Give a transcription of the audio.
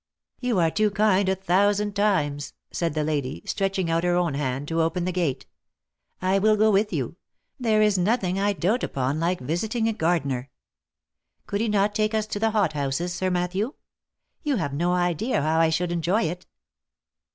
" You are too kind a thousand times !" said the lady, stretching out her own hand to open the gate. " I will go with you ; there is nothing I doat upon like visiting a gardener. Could he not take us into the hot houses, Sir Matthew ? You have no idea how I should enjoy it."